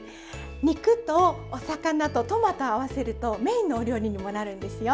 肉とお魚とトマトを合わせるとメインのお料理にもなるんですよ。